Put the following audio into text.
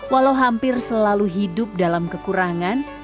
walau hampir selalu hidup dalam kekurangan